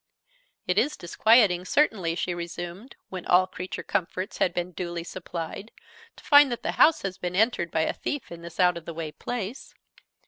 "It is disquieting, certainly," she resumed, when all 'creature comforts' had been duly supplied, "to find that the house has been entered by a thief in this out of the way place.